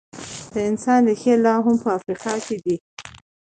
د انسان ریښې لا هم په افریقا کې دي.